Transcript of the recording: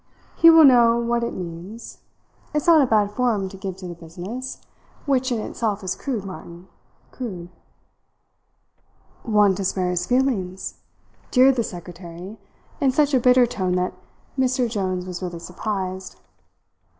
He will know what it means. It's not a bad form to give to the business which in itself is crude, Martin, crude." "Want to spare his feelings?" jeered the secretary in such a bitter tone that Mr. Jones was really surprised.